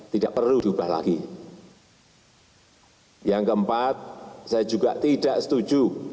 tidak perlu diubah lagi yang keempat saya juga tidak setuju